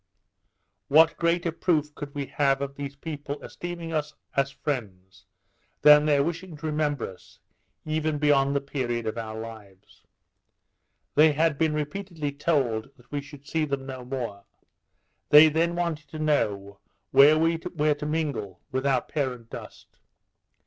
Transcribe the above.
What greater proof could we have of these people esteeming us as friends, than their wishing to remember us, even beyond the period of our lives? They had been repeatedly told that we should see them no more; they then wanted to know where we were to mingle with our parent dust.